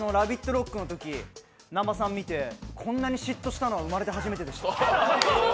ＲＯＣＫのとき南波さんを見て、こんなに嫉妬したのは初めてでした。